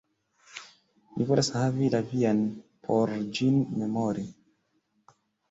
Mi volas havi la vian, por ĝin memori.